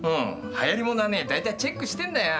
流行り物はね大体チェックしてんだよ。